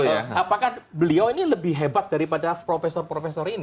apakah beliau ini lebih hebat daripada profesor profesor ini